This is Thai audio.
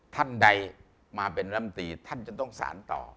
ท่านใดมาเป็นลำตีท่านจะต้องสารต่อ